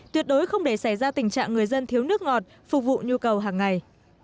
tuyệt đối không để xảy ra tình trạng người dân thiếu nước ngọt phục vụ nhu cầu hàng ngày